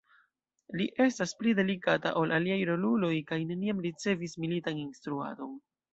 Li estas pli delikata ol aliaj roluloj, kaj neniam ricevis militan instruadon.